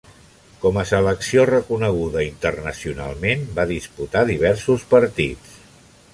Com a selecció reconeguda internacionalment va disputar diversos partits.